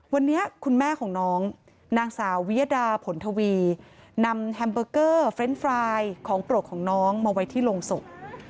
วันนี้คุณแม่ของน้องนางสาววิยดาผลทวีนำแฮมเบอร์เกอร์เฟรนด์ไฟล์ของโปรดของน้องมาไว้ที่โรงศพ